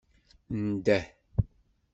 Ndeh.